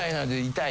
痛い。